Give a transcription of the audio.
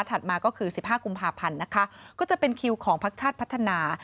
มาก็คือ๑๕กุมภาพันธ์นะคะก็จะเป็นคิวของพักชาติพัฒนา